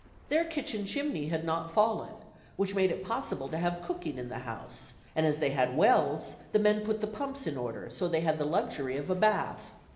Their kitchen chimney had not fallen, which made it possible to have cooking in the house, and as they had wells, the men put the pumps in order; so they had the luxury of a bath.